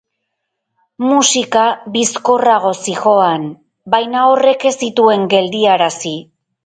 Musika bizkorrago zihoan, baina horrek ez zituen geldiarazi.